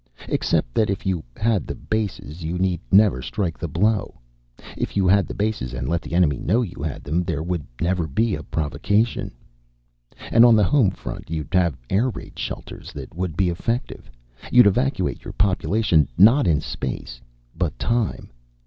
Except that if you had the bases, you need never strike the blow. If you had the bases and let the enemy know you had them, there would never be the provocation. And on the home front, you'd have air raid shelters that would be effective. You'd evacuate your population not in space, but time.